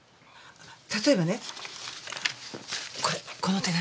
例えばねこれこの手紙。